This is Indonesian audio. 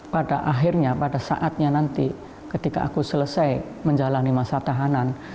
pada akhirnya pada saatnya nanti ketika aku selesai menjalani masa tahanan